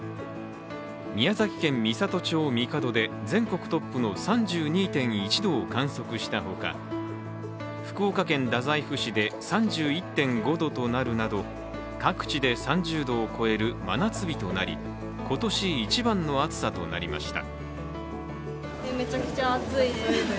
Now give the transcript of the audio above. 宮崎県美郷町神門で、全国トップの３２．１度を観測したほか福岡県太宰府市で３１．５度となるなど各地で３０度を超える真夏日となり今年一番の暑さとなりました。